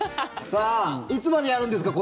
さあ、いつまでやるんですか